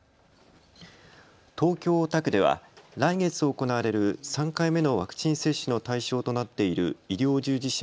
東京大田区では来月行われる３回目のワクチン接種の対象となっている医療従事者